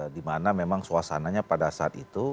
dimana memang suasananya pada saat itu